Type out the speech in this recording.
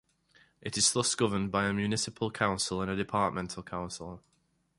It is thus governed by a municipal council and a departmental council.